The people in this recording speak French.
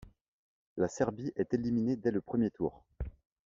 La Serbie est éliminée dès le premier tour.